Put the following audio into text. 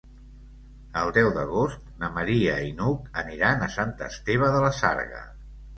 El deu d'agost na Maria i n'Hug aniran a Sant Esteve de la Sarga.